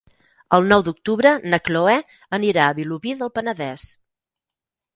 El nou d'octubre na Cloè anirà a Vilobí del Penedès.